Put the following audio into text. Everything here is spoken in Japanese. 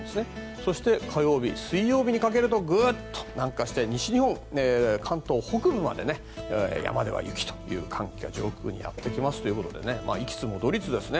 そして火曜日、水曜日にかけてグッと南下して西日本、関東北部まで山では雪という寒気が上空にやってきますということで行きつ戻りつですね。